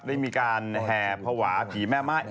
ได้มีการแห่ภาวะผีแม่ไม้